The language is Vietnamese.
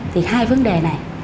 thì hai vấn đề này